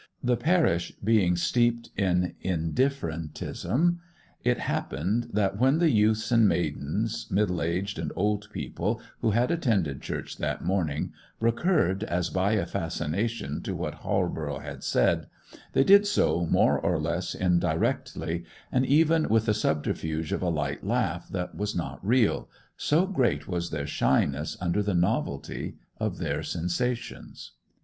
The parish being steeped in indifferentism, it happened that when the youths and maidens, middle aged and old people, who had attended church that morning, recurred as by a fascination to what Halborough had said, they did so more or less indirectly, and even with the subterfuge of a light laugh that was not real, so great was their shyness under the novelty of their sensations.